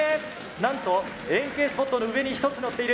なんと円形スポットの上に１つ乗っている。